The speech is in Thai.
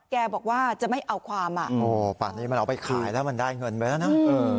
แกบอกว่าจะไม่เอาความอ่ะโอ้ป่านนี้มันเอาไปขายแล้วมันได้เงินไปแล้วนะเออ